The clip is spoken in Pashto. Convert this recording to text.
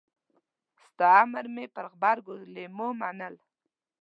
ستا امر مې پر غبرګو لېمو منل.